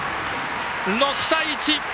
６対１。